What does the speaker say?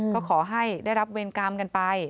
ก็ขอให้ได้รับเวรกรรมกันไป